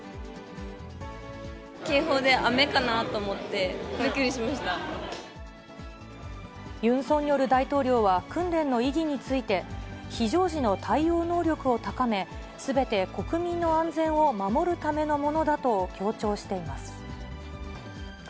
警報で雨かなと思って、ユン・ソンニョル大統領は、訓練の意義について、非常時の対応能力を高め、すべて国民の安全を守るためのものだと強調しています。